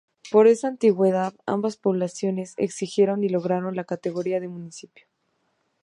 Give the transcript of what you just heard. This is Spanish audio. Por esa antigüedad ambas poblaciones exigieron y lograron la categoría de municipio.